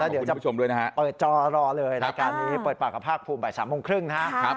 เดี๋ยวจะเปิดจอรอเลยเปิดปากกับภาคภูมิบ่าย๓โมงครึ่ง